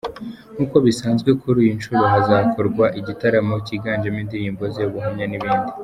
Nk’uko bisanzwe kuri iyi nshuro hakazakorwa igitaramo kiganjemo indirimbo ze, ubuhamya n’ibindi.